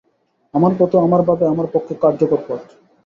আমার পথও আমার ভাবে আমার পক্ষে কার্যকর পথ।